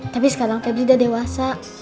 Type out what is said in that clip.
tapi sekarang pebli udah dewasa